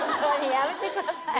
やめてください。